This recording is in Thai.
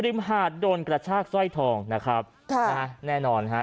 มหาดโดนกระชากสร้อยทองนะครับค่ะนะฮะแน่นอนฮะ